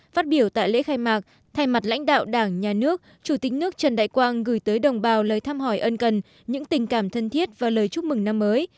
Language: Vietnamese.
phát biểu tại lễ khai mạc thay mặt lãnh đạo đảng nhà nước chủ tịch nước trần đại quang gửi tới đồng bào lời thăm hỏi ân cần những tình cảm thân thiết và lời chúc mừng năm mới